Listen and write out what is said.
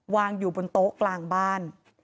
วางอยู่บนโต๊ะกลางบ้าน